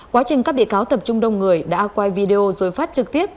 quá trình các bị cáo tập trung đông người đã quay video rồi phát trực tiếp